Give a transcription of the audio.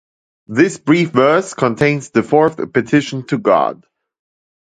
This brief verse contains the fourth petition to God.